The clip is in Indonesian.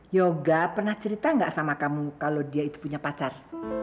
yoga pernah cerita nggak sama kamu kalau dia itu punya pacar